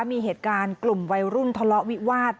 มีเหตุการณ์กลุ่มวัยรุ่นทะเลาะวิวาส